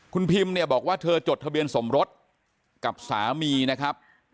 คุณพิมเนี่ยบอกว่าเธอจดทะเบียนสมรสกับสามีนะครับ